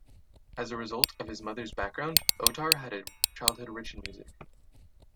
As a result of his mother's background Otar had a childhood rich in music.